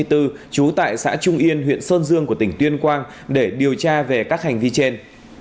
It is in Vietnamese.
trú tại xã trung yên huyện sơn dương của tỉnh tuyên quang để điều tra về các hành vi trên